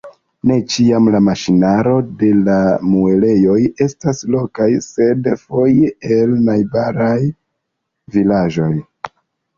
Ne ĉiam la maŝinaro de la muelejoj estas lokaj, sed foje el najbaraj vilaĝoj.